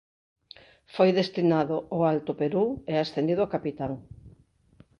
Foi destinado ao Alto Perú e ascendido a capitán.